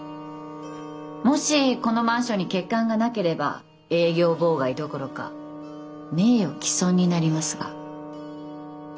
もしこのマンションに欠陥がなければ営業妨害どころか名誉毀損になりますが。